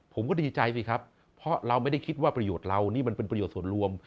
ผมก็ดีใจสิครับเพราะเราไม่ได้คิดว่าประโยชน์เรานี่มันเป็นประโยชน์ส่วนรวม